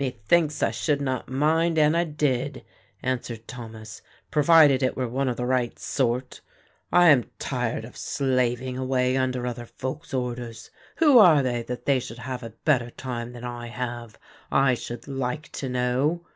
"Methinks I should not mind an I did," answered Thomas, "provided it were one of the right sort. I am tired of slaving away under other folks' orders. Who are they that they should have a better time than I have, I should like to know?"